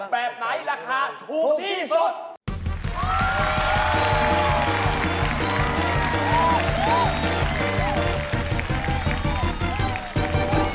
แบบไหนราคาถูกที่สุด